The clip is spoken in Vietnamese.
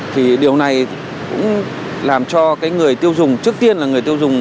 thì điều này cũng làm cho người tiêu dùng